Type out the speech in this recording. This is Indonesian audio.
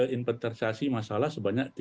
investasi masalah sebanyak